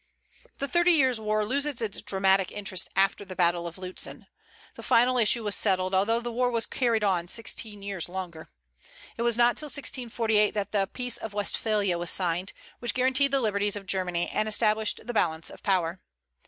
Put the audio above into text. The Thirty Years' War loses its dramatic interest after the battle of Lutzen. The final issue was settled, although the war was carried on sixteen years longer. It was not till 1648 that the peace of Westphalia was signed, which guaranteed the liberties of Germany, and established the balance of power.